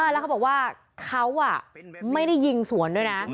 แล้วเขาบอกว่าเขาไม่ได้ยิงสวนด้วยนะ